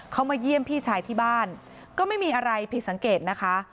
เขามาเยี่ยมพี่ชายที่บ้านก็ไม่มีอะไรผิดสังเกตนะคะ